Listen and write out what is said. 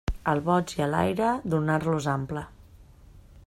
Al boig i a l'aire, donar-los ample.